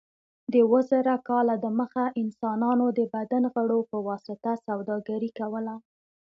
د اوه زره کاله دمخه انسانانو د بدن غړو په واسطه سوداګري کوله.